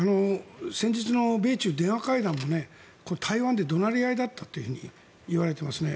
先日の米中電話会談も台湾で怒鳴り合いだったといわれていますね。